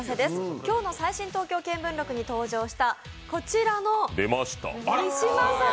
今日の「最新東京見聞録」に登場した、こちらの三島さん